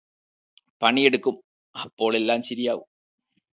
പണിയെടുക്കും അപ്പോൾ എല്ലാം ശരിയാവും